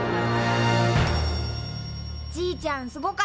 じいちゃんすごかった！